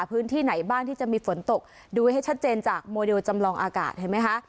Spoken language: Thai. พื้นที่ไหนบ้างที่จะมีฝนตกดูให้ชัดเจนจากโมเดลจำลองอากาศเห็นไหมคะ